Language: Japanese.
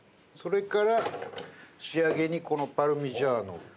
それから仕上げにこのパルミジャーノ。